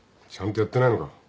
ちゃんとやってないのか。